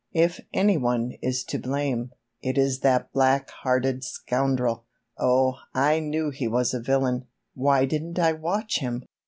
"If any one is to blame, it is that black hearted scoundrel! Oh, I knew he was a villain! Why didn't I watch him!"